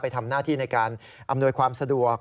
ทำหน้าที่ในการอำนวยความสะดวก